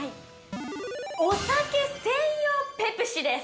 ◆お酒専用ペプシです。